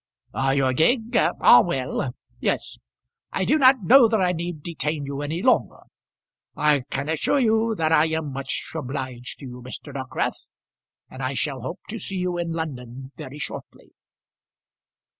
"Your gig? ah, well. Yes. I do not know that I need detain you any longer. I can assure you that I am much obliged to you, Mr. Dockwrath, and I shall hope to see you in London very shortly."